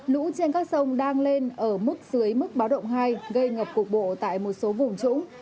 lũ trên các sông đang lên ở mức dưới mức báo động hai gây ngập cục bộ tại một số vùng trũng